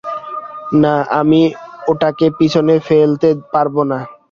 না, আমি এটাকে পিছনে ফেলতে পারব না।